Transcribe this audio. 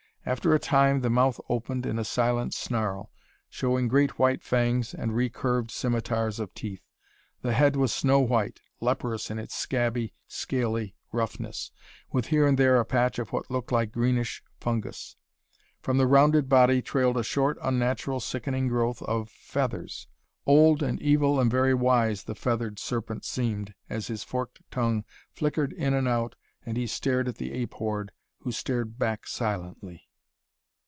After a time the mouth opened in a silent snarl, showing great white fangs and recurved simitars of teeth. The head was snow white, leperous in its scabby, scaly roughness, with here and there a patch of what looked like greenish fungus. From the rounded body trailed a short, unnatural, sickening growth of feathers. Old and evil and very wise the Feathered Serpent seemed as his forked tongue flickered in and out and he stared at the ape horde, who stared back silently.